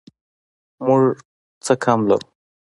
موږ څه کم لرو